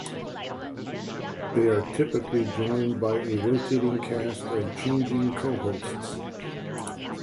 They are typically joined by a rotating cast of changing co-hosts.